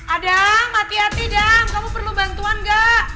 adam hati hati dam kamu perlu bantuan gak